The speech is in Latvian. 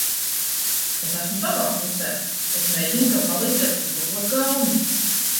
Es esmu tavā pusē. Es mēģinu tev palīdzēt uzlabot gaumi.